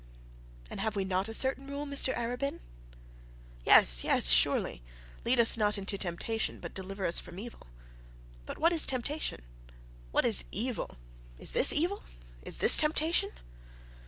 'And have we not got a certain rule, Mr Arabin?' 'Yes yes, surely; "Lead us not into temptation, but deliver us from evil." But what is temptation? what is evil? Is this evil is this temptation?'